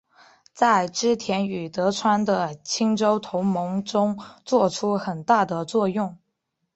在织田与德川的清洲同盟中作出很大的作用。